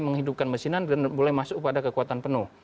menghidupkan mesinan dan mulai masuk pada kekuatan penuh